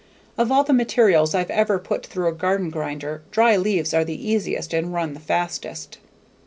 Of all the materials I've ever put through a garden grinder, dry leaves are the easiest and run the fastest.